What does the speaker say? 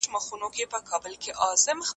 د علم د لارې موږ ټولنه پېژنو.